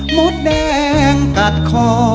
มดแดงกัดคอ